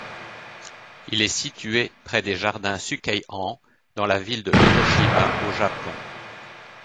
Il est situé près des jardins Shukkei-en dans la ville de Hiroshima au Japon.